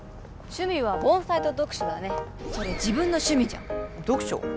趣味は盆栽と読書だねそれ自分の趣味じゃん読書？